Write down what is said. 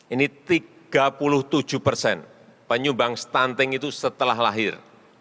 ini tiga puluh tujuh persen penyumbang stunting itu setelah lahir